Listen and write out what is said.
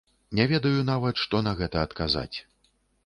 Не ведаю нават, што на гэта адказаць.